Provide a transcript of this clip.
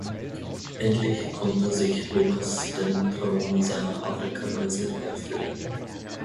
Endlich konnte sich Lukas den Traum seiner Afrika-Reise erfüllen.